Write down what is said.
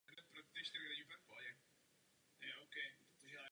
Zejména projekt Bamako obrací pozornost Evropské unie na přistěhovalectví.